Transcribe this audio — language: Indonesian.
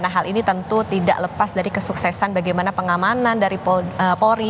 nah hal ini tentu tidak lepas dari kesuksesan bagaimana pengamanan dari polri